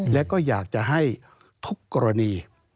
และก็อยากจะให้ทุกกรณี